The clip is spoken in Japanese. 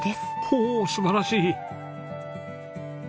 ほう素晴らしい！